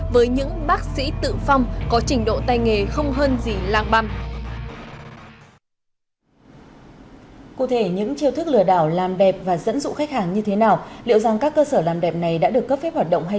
với những bác sĩ tự phong có trình độ tay nghề không hơn gì